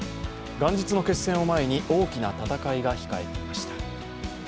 元日の決戦を前に大きな戦いが控えていました。